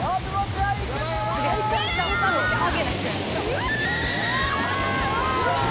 うわ！